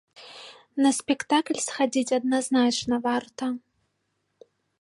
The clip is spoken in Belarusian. На спектакль схадзіць адназначна варта.